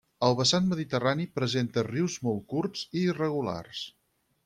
El vessant mediterrani presenta rius molt curts i irregulars.